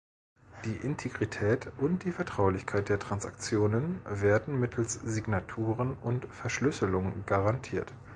Die Integrität und die Vertraulichkeit der Transaktionen werden mittels Signaturen und Verschlüsselung garantiert.